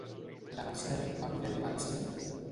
La Mercè va poder arribar al cim?